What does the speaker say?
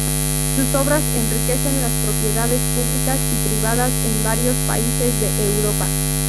Sus obras enriquecen las propiedades públicas y privadas en varios países de Europa.